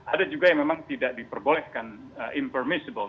ada juga yang memang tidak diperbolehkan informable